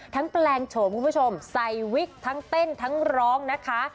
แปลงโฉมคุณผู้ชมใส่วิกทั้งเต้นทั้งร้องนะคะ